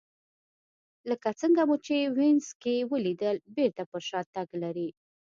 لکه څنګه مو چې په وینز کې ولیدل بېرته پر شا تګ لري